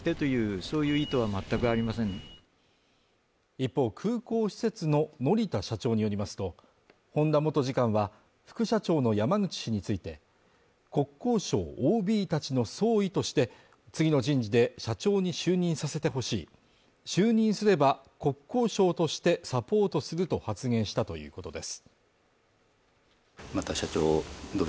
一方空港施設の乗田社長によりますと、本田元次官は、副社長の山口氏について国交省ＯＢたちの総意として、次の人事で社長に就任させてほしい、就任すれば、国交省としてサポートすると発言したということです。